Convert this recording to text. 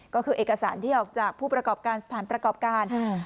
ก็คือเอกสารที่ออกจากผู้ประกอบการสถานประกอบการ